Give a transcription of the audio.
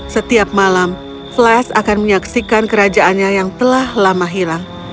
setiap malam flash akan menyaksikan kerajaannya yang telah lama hilang